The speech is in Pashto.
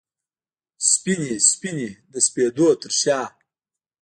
سپینې، سپینې د سپېدو ترشا